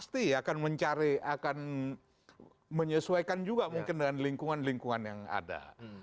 jadi ini akan mencari akan menyesuaikan juga mungkin dengan lingkungan lingkungan yang ada